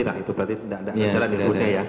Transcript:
tidak itu berarti tidak ada enjera di pusat ya